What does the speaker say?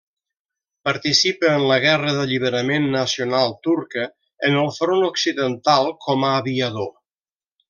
Participa en la Guerra d'Alliberament Nacional turca en el front occidental com a aviador.